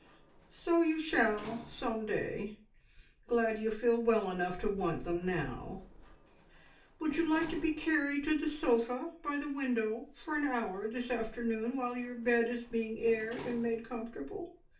"So you shall some day! Glad you feel well enough to want them now. Would you like to be carried to the sofa by the window for an hour this afternoon, while your bed is being aired and made comfortable?